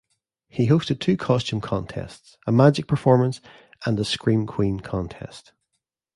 He hosted two costume contests, a magic performance, and a scream queen contest.